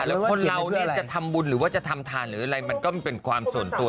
แล้วคนเราเนี่ยจะทำบุญหรือว่าจะทำทานหรืออะไรมันก็มันเป็นความส่วนตัว